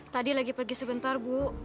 tadi lagi pergi sebentar bu